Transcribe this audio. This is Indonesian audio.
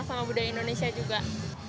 sama budaya indonesia juga